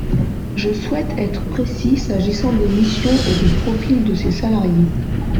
Je souhaite être précis s’agissant des missions et des profils de ces salariés.